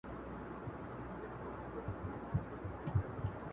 چې زه په یو بس کې روان یم